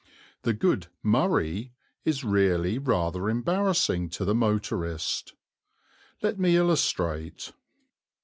The good "Murray" is really rather embarrassing to the motorist. Let me illustrate.